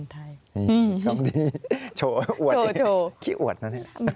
ต้องดีโชว์อวดเองขี้อวดนะนี่โชว์โชว์